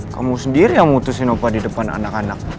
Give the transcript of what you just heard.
kamu sendiri yang mutusin opa di depan anak anak